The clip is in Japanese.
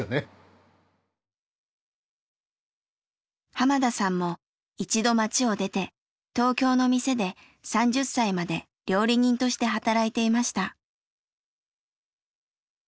濱田さんも一度町を出て東京の店で３０歳まで料理人として働いていました。